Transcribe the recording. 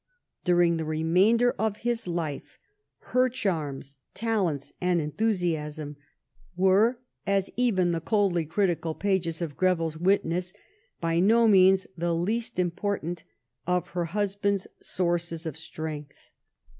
During the remainder of his life, her charms, talents, and enthusiasm were, as even the coldly critical pages of Greville witness, by no means the least important of her husband's sources of strength.